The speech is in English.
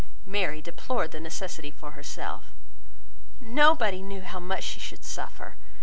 Mary deplored the necessity for herself. "Nobody knew how much she should suffer.